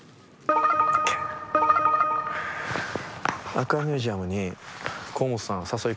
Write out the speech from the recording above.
アクアミュージアムに河本さん誘いこんだんで。